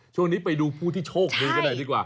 ช่วงนี้ไปดูผู้ที่โชคดีกันหน่อยดีกว่า